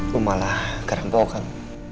gue malah ke rempokan